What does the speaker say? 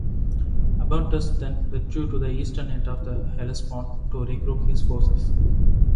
Abantus then withdrew to the eastern end of the Hellespont to regroup his forces.